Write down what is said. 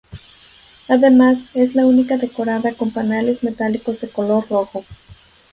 Además, es la única decorada con paneles metálicos de color rojo.